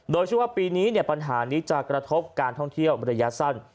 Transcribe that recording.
โดยชื่อว่าปีนี้ปัญหานี้จะกระทบการท่องเที่ยวระยะสั้น